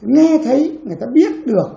nghe thấy người ta biết được